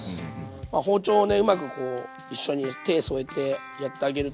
包丁をねうまくこう一緒に手添えてやってあげると。